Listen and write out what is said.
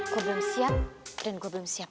gue belum siap dan gue belum siap